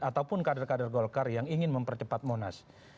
ataupun kader kader golkar yang ingin mempercepat monas